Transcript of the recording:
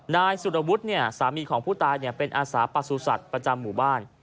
นายสุรวุฒิสามีของผู้ตายเป็นอาสาประสุทธิ์ประจำหมู่บ้าน